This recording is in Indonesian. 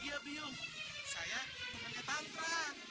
iya bium saya temannya tantra